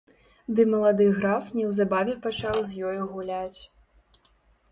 Ды малады граф неўзабаве пачаў з ёю гуляць.